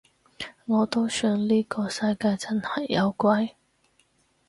我都想呢個世界真係有鬼